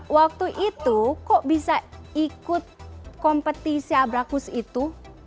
waktu itu kok bisa ikut kompetisi abrakus itu